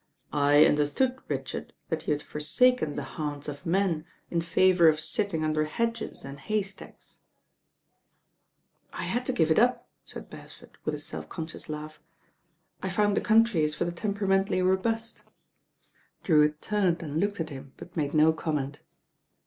"I understood, Richard, that you had forsaken the haunts of men in favour of sitting under hedges and haystacks." "I had to give it up," said Beresford with a self conscious laugh. "I found the country is for the temperamentally robust." 88 THE RAIN GIRL 'In Drewitt turned and looked at him, but made no comment.